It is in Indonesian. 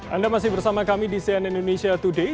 anda masih bersama kami di cnn indonesia today